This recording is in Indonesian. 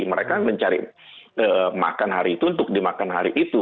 mereka mencari makan hari itu untuk dimakan hari itu